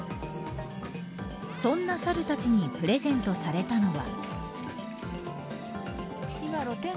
そんなサルたちにプレゼントされたのは。